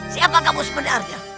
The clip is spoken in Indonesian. siapa kamu sebenarnya